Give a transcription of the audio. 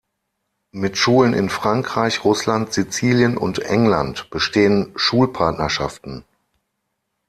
Mit Schulen in Frankreich, Russland, Sizilien und England bestehen Schulpartnerschaften.